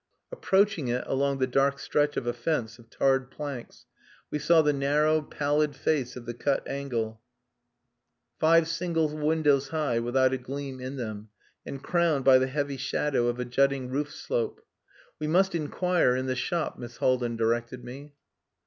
Approaching it along the dark stretch of a fence of tarred planks, we saw the narrow pallid face of the cut angle, five single windows high, without a gleam in them, and crowned by the heavy shadow of a jutting roof slope. "We must inquire in the shop," Miss Haldin directed me.